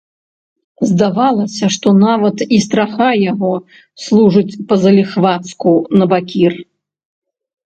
Здавалася, што нават і страха яго служыць па-заліхвацку набакір.